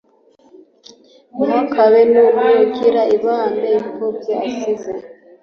ntihakabe n'umwe ugirira ibambe impfubyi assize